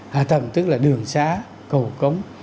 hạ tầng tức là đường xá cầu cống